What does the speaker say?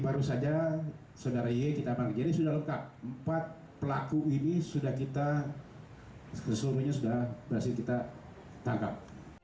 terus saja saudara iye kita panggil ini sudah lengkap empat pelaku ini sudah kita keseluruhannya sudah berhasil kita tangkap